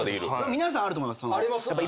皆さんあると思います。